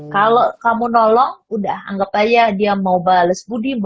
kalau kamu nolong udah anggap aja dia mau bales budi